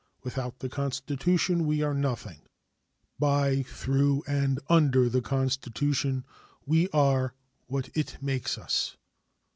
Without the Constitution we are nothing; by, through, and under the Constitution we are what it makes us.